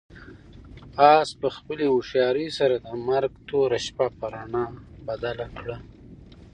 آس په خپلې هوښیارۍ سره د مرګ توره شپه په رڼا بدله کړه.